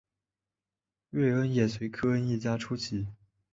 瑞恩也随科恩一家出席。